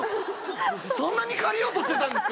そんなに借りようとしてたんですか？